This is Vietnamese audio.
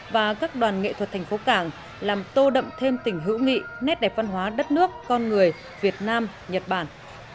và các đoàn nghệ thuật thành phố cảng làm tô đậm thêm tình hữu nghị nét đẹp văn hóa đất nước con người việt nam nhật bản